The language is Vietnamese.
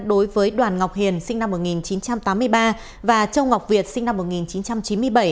đối với đoàn ngọc hiền sinh năm một nghìn chín trăm tám mươi ba và châu ngọc việt sinh năm một nghìn chín trăm chín mươi bảy